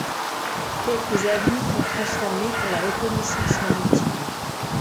Quelques avions furent transformés pour la reconnaissance maritime.